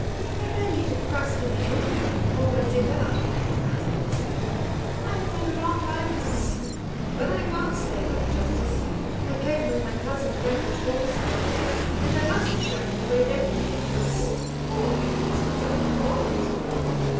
"I may eat a crust in the ante room before I set out," answered Miss Vernon "I have had a long ride this morning; but I can't stay long, Justice I came with my cousin, Frank Osbaldistone, there, and I must show him the way back again to the Hall, or he'll lose himself in the wolds."